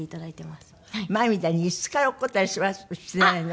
前みたいに椅子から落っこちたりはしてないの？